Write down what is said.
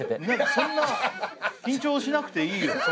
そんな緊張しなくていいよ。